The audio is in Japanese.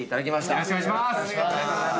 よろしくお願いします。